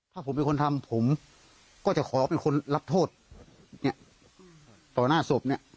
ถ้าผมเป็นคนทำผมก็จะขอเป็นคนรับโทษเนี่ยต่อหน้าศพเนี่ย